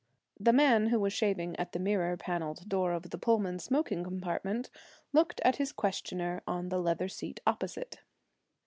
The man who was shaving at the mirror paneled door of the Pullman smoking compartment looked at his questioner on the leather seat opposite.